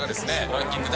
ランキング